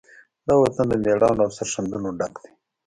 دا وطن د مېړانو، او سرښندنو نه ډک دی.